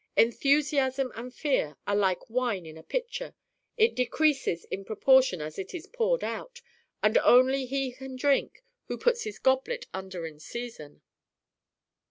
Enthusiasm and fear are like wine in a pitcher; it decreases in proportion as it is poured out, and only he can drink who puts his goblet under in season.